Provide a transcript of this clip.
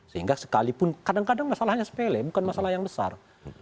sehingga sekalipun kadang kadang masalahnya sepele bukan masalah yang besar